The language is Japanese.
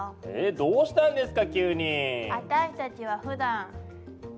どうしたんですか？